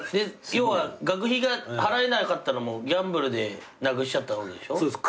要は学費が払えなかったのもギャンブルでなくしちゃったわけでしょ？